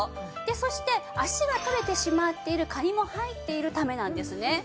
そして脚が取れてしまっているカニも入っているためなんですね。